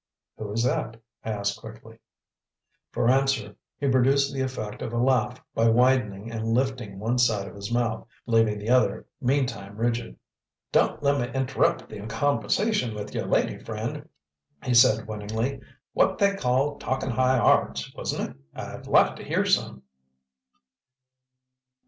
"Who is that?" I asked quickly. For answer he produced the effect of a laugh by widening and lifting one side of his mouth, leaving the other, meantime, rigid. "Don' lemme int'rup' the conv'sation with yer lady friend," he said winningly. "What they call 'talkin' High Arts,' wasn't it? I'd like to hear some."